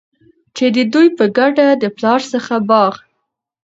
چي د دوي په ګډه د پلار څخه باغ